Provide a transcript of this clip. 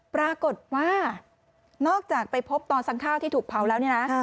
ปรากฏว่านอกจากไปพบตอนสั่งข้าวที่ถูกเผาแล้วเนี่ยนะ